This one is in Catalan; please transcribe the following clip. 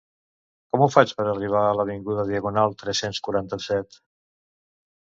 Com ho faig per arribar a l'avinguda Diagonal tres-cents quaranta-set?